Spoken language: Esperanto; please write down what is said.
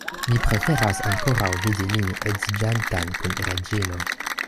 Mi preferas ankoraŭ vidi lin edziĝantan kun Reĝino.